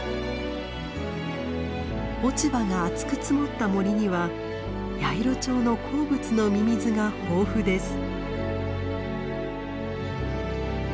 落ち葉が厚く積もった森にはヤイロチョウの好物のミミズが豊富です。